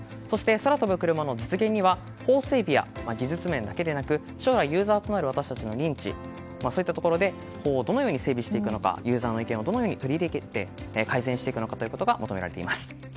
そして、空飛ぶクルマの実現には法整備や技術面だけでなく将来ユーザーとなる私たちの認知そういったところで法をどのように整備していくのかユーザーの意見をどのように取り入れていって改善していくのかが求められています。